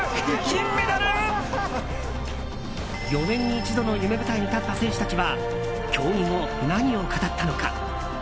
４年に一度の夢舞台に立った選手たちは競技後、何を語ったのか。